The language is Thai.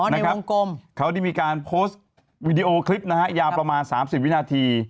อ๋อในวงกลมเขาได้มีการโพสต์วิดีโอคลิปนะฮะยาวประมาณ๓๐วินาที